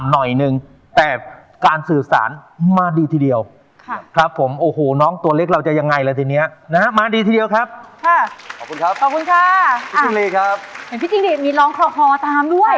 นะครับมาดีทีเดียวครับขอบคุณครับพี่จริงรีครับพี่จริงรีมีร้องคอมาตามด้วย